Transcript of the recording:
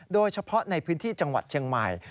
โดยเฉพาะในพื้นที่จังหวัดเชียงใหม่